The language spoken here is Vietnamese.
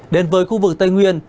đến với khu vực tây nguyên